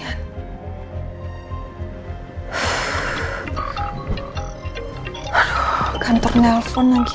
aduh kantor nelfon lagi